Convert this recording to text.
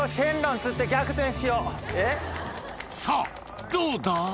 さぁどうだ？